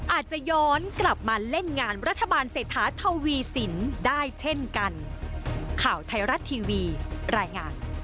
อาจจะย้อนกลับมาเล่นงานรัฐบาลเศรษฐาทวีสินได้เช่นกัน